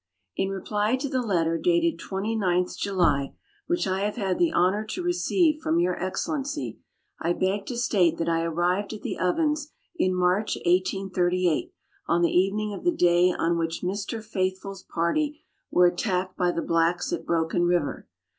In reply to the letter dated 29th July, which I have had the honour to receive from Your Excellency, I beg to state that I arrived at the Ovens in March 1838, on the evening of the day on which Mr. Faithfull's party were attacked by the blacks at Broken River.